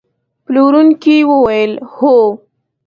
پلورونکي وویل: هو.